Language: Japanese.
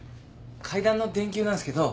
階段の電球なんすけど。